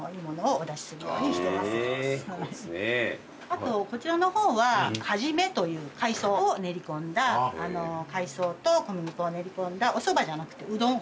あとこちらの方はカジメという海藻を練り込んだ海藻と小麦粉を練り込んだおそばじゃなくて細うどん。